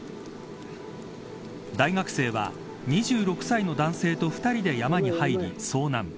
大学生は２６歳の男性と２人で山に入り遭難。